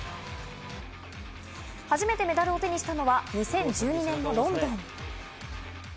初めてメダルを手にしたのは２０１２年のロンドン。